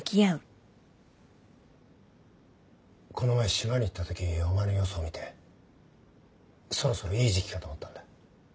この前島に行ったときお前の様子を見てそろそろいい時期かと思ったんだ。